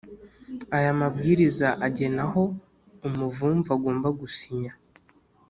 Aya mabwiriza agena aho umuvumvu agomba gusinya